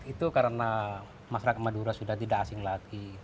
itu karena masyarakat madura sudah tidak asing lagi